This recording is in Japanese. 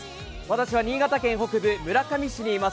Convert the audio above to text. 私は新潟県北部、村上市にいます。